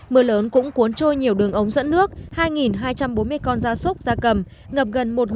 mưa lớn cũng cuốn trôi nhiều đường ống dẫn nước hai hai trăm bốn mươi con gia súc ra cầm